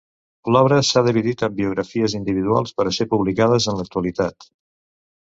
L'obra s'ha dividit en biografies individuals per a ser publicades en l'actualitat.